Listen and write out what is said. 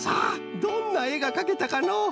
どんなえがかけたかのう？